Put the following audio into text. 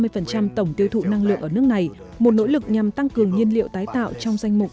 về lưu thụ năng lượng ở nước này một nỗ lực nhằm tăng cường nhiên liệu tái tạo trong danh mục